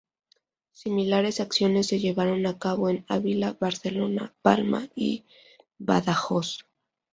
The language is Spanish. Similares acciones se llevaron a cabo en Ávila, Barcelona, Palma y Badajoz.